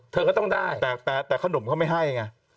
เธอก็ต้องได้แต่ขนมเขาไม่ให้ไง